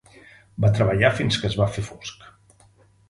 Va treballar fins que es va fer fosc.